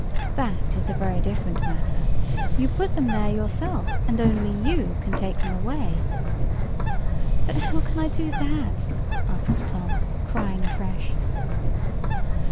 "That is a very different matter. You put them there yourself, and only you can take them away." "But how can I do that?" asked Tom, crying afresh.